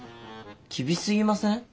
厳しすぎません？